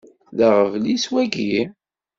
D aɣbel-is wagi?